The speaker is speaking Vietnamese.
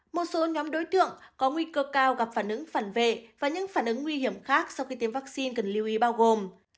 một số nhóm đối tượng có nguy cơ cao gặp phản ứng phản vệ và những phản ứng nguy hiểm khác sau khi tiêm vaccine cần lưu ý bao gồm